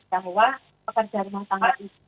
bahwa pekerja rumah tangga itu